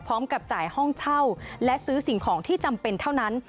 พร้อมกับจ่ายห้องเช่าและซื้อสิ่งของที่จำเป็นเท่านั้น